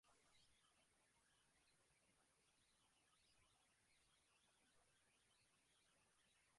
আলির পক্ষে বেশিদিন টিকে থাকা সম্ভব ছিল না।